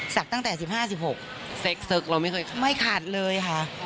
ศักดิ์ตั้งแต่๑๕๑๖ไม่ขาดเลยค่ะ